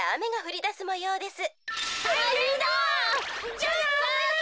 じゃあな。